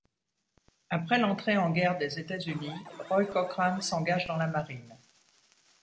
Après l'entrée en guerre des États-Unis, Roy Cochran s'engage dans la marine.